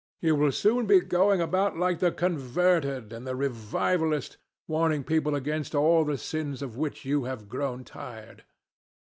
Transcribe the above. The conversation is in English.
You will soon be going about like the converted, and the revivalist, warning people against all the sins of which you have grown tired.